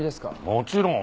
もちろん。